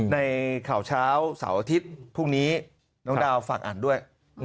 ในข่าวเช้าเสาร์อาทิตย์พรุ่งนี้น้องดาวฝากอ่านด้วย